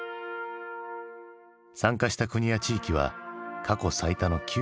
参加した国や地域は過去最多の９４。